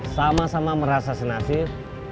sama sama merasa senasib